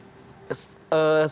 saya di bidang kepentingan